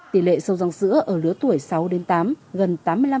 tỷ lệ sâu răng sữa ở lứa tuổi sáu đến tám gần tám mươi năm